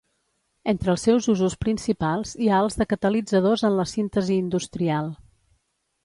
Entre els seus usos principals hi ha els de catalitzadors en la síntesi industrial.